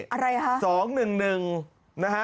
อะไรฮะ